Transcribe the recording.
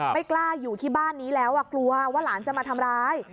ไม่กล้าอยู่ที่บ้านนี้แล้วกลัวว่าหลานจะมาทำร้าย